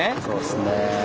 そうっすね。